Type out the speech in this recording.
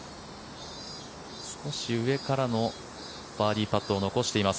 少し上からのバーディーパットを残しています